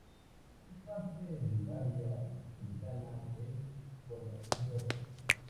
Es parte del área metropolitana de Jonesboro.